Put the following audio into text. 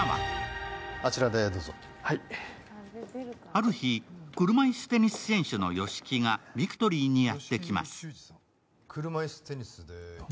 ある日、車椅子テニス選手の吉木がビクトリーにやってきます。